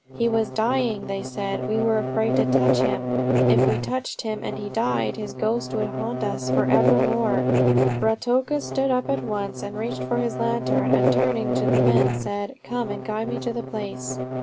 "He was dying," they said. "We were afraid to touch him. If we touched him and he died, his ghost would haunt us for evermore." Ruatoka stood up at once and reached for his lantern, and turning to the men said: "Come and guide me to the place."